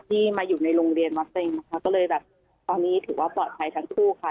ที่มาอยู่ในโรงเรียนวัดเต็งนะคะก็เลยแบบตอนนี้ถือว่าปลอดภัยทั้งคู่ค่ะ